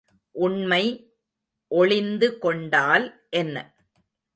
உண்மை ஒளிந்து கொண்டால் என்ன?